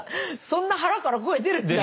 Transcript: そんな腹から声出るんだ。